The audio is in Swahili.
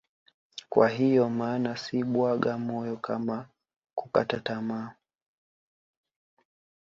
Kwa hiyo maana si bwaga moyo kama kukataa tamaa